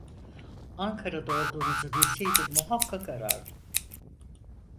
Ankara'da olduğunuzu bilseydim muhakkak arardım.